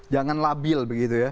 jangan labil begitu ya